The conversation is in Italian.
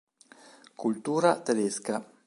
Cultura tedesca